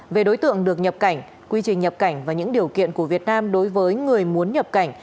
về đối tượng được nhập cảnh quy trình nhập cảnh và những điều kiện của việt nam đối với người muốn nhập cảnh